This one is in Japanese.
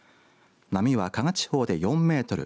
波は加賀地方で４メートル